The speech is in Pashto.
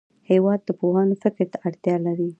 هېواد د پوهانو فکر ته اړتیا لري.